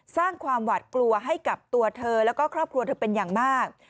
สร้างความหวาดกลัวให้กับตัวเธอแล้วก็ครอบครัวเธอเป็นอย่างมาก